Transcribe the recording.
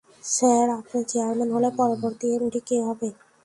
Sir, আপনি chairman হলে পরবর্তী এমডি কে হবে?